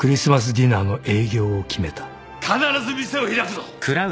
必ず店を開くぞ！